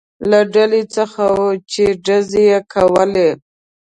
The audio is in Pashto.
له ډلې څخه و، چې ډزې یې کولې.